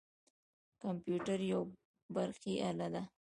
کمپیوتر یوه برقي اله ده.